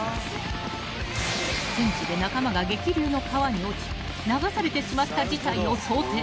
［戦地で仲間が激流の川に落ち流されてしまった事態を想定］